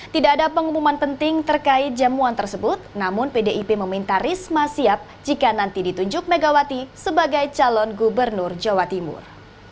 tidak ada pengumuman penting terkait jamuan tersebut namun pdip meminta risma siap jika nanti ditunjuk megawati sebagai calon gubernur jawa timur